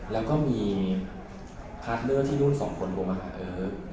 แล้วก็มีพาร์ทเนอร์ที่รุ่นสองคนโทรมาหาเออ